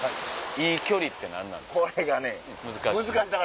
「いい距離」って何なんですか？